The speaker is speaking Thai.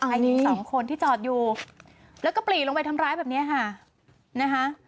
หญิงสองคนที่จอดอยู่แล้วก็ปรีลงไปทำร้ายแบบเนี้ยค่ะนะคะ